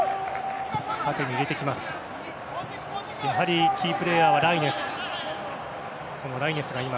やはりキープレーヤーはライネス。